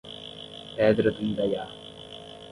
Pedra do Indaiá